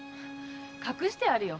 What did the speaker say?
隠してあるよ。